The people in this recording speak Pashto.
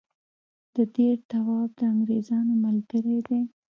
د دیر نواب د انګرېزانو ملګری دی.